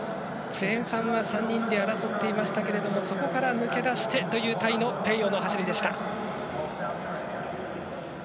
前半は３人で争っていましたけれどもそこから抜け出してというタイのペーヨーの走りでした。